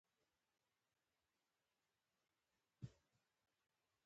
له هغه ځایه د هېواد د ساتنې کارونه سمبالیدل.